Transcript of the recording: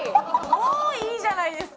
もういいじゃないですか。